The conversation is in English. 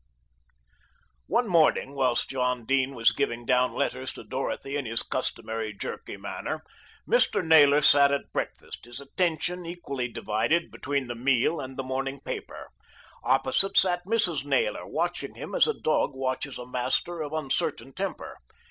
One morning whilst John Dene was giving down letters to Dorothy in his customary jerky manner, Mr. Naylor sat at breakfast, his attention equally divided between the meal and the morning paper. Opposite sat Mrs. Naylor, watching him as a dog watches a master of uncertain temper.